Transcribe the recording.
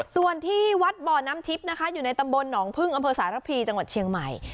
ส่วนที่วัดบ่อน้ำทิพย์นะคะอยู่ในตำบลหนองพึ่งอำเภอสารพีจังหวัดเชียงใหม่